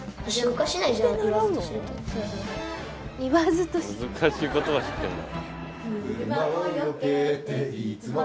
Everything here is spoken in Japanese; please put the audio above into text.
難しい言葉知ってんな。